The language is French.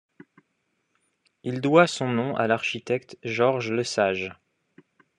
Il doit son nom à l'architecte Georges Lesage.